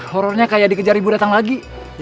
horrornya kayak dikejar ibu datang lagi